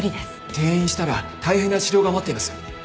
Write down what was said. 転院したら大変な治療が待っています。